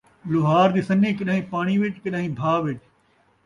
لوہار دی سنّی ، کݙاہیں پاݨی وِچ ، کݙاہیں بھاء وِچ